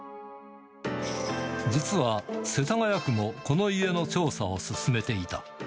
実は世田谷区も、この家の調査を進めていた。